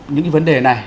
những vấn đề này